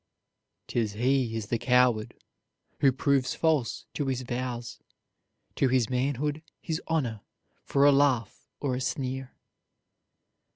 "Tis he is the coward who proves false to his vows, To his manhood, his honor, for a laugh or a sneer."